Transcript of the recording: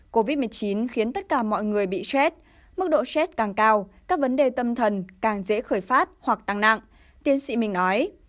covid một mươi chín khiến tất cả mọi người bị stress mức độ st càng cao các vấn đề tâm thần càng dễ khởi phát hoặc tăng nặng tiến sĩ mình nói